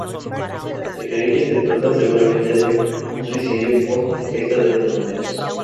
Se cree que se trata seguramente de un suicidio por ingesta de medicamentos.